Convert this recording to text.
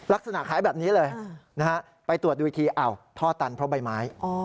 ลักษณะขายแบบนี้เลยนะฮะไปตรวจดูอีกทีอ้าวท่อตันเพราะใบไม้